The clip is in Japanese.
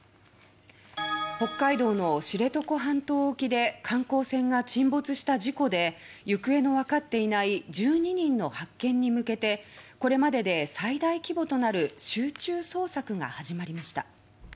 北海道の知床半島沖で観光船が沈没した事故で行方の分かっていない１２人の発見に向けてこれまでで最大規模となる集中捜索が始まりました。